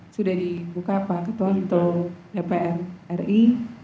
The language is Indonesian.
sudah dibuka pak ketua untuk kpu ri